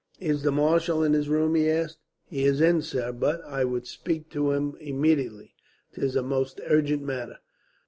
"Is the marshal in his room?" he asked. "He is in, sir, but " "I would speak to him immediately. 'Tis a most urgent matter."